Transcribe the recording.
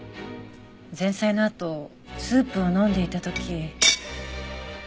前菜のあとスープを飲んでいた時。